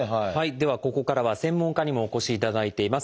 ではここからは専門家にもお越しいただいています。